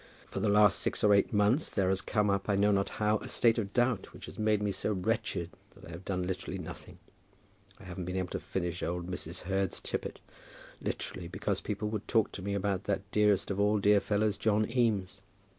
For the last six or eight months there has come up, I know not how, a state of doubt which has made me so wretched that I have done literally nothing. I haven't been able to finish old Mrs. Heard's tippet, literally because people would talk to me about that dearest of all dear fellows, John Eames.